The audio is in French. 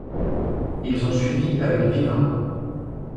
Ils ont suivi avec Viven!